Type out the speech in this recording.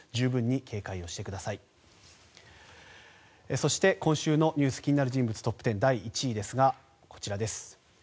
そして、今週のニュース気になる人物トップ１０第１位ですが、こちらです。